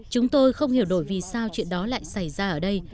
chúng tôi không hiểu bởi vì sao chuyện đó lại xảy ra ở đây